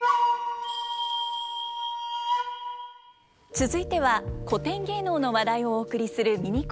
続いては古典芸能の話題をお送りするミニコーナーです。